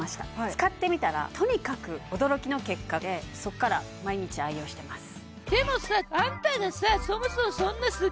使ってみたらとにかく驚きの結果でそっから毎日愛用してます